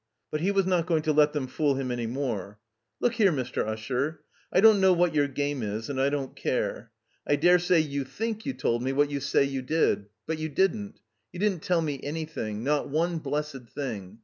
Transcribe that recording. But he was not going to let them fool him any more. "Look here, Mr. Usher, I don't know what your game is and I don't care. I dare say you think you 286 THE COMBINED MAZE told me what you say you did. But you didn't. lYou didn't tell me anything — ^not one blessed thing.